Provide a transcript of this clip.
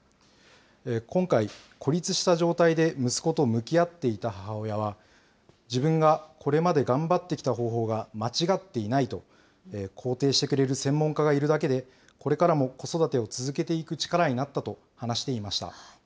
今回、孤立した状態で息子と向き合っていた母親は、自分がこれまで頑張ってきた方法は間違っていないと、肯定してくれる専門家がいるだけで、これからも子育てを続けていく力になったと話していました。